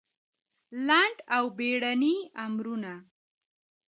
لنډ او بېړني امرونه